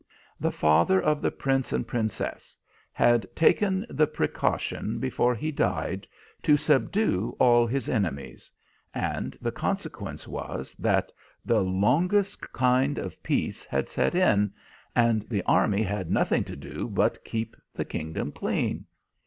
The father of the Prince and Princess had taken the precaution, before he died, to subdue all his enemies; and the consequence was that the longest kind of peace had set in, and the army had nothing to do but keep the kingdom clean.